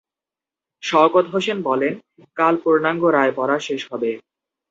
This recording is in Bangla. শওকত হোসেন বলেন, কাল পূর্ণাঙ্গ রায় পড়া শেষ হবে।